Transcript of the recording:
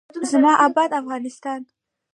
زما اباد افغانستان.